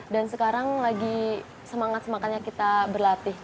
dan sekarang lagi semangat semangatnya kita berlatih